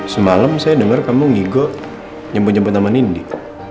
semalam saya dengar kamu ngigo nyemput nyemput sama nindi